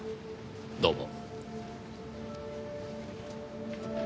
どうも。